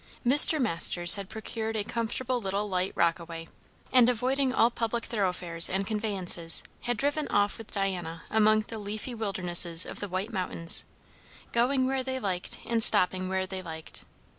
Mr. Masters had procured a comfortable little light rockaway, and avoiding all public thoroughfares and conveyances, had driven off with Diana among the leafy wildernesses of the White Mountains; going where they liked and stopping where they liked.